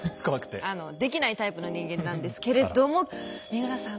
できないタイプの人間なんですけれども三浦さん